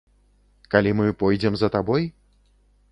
Калі мы пойдзем за табой?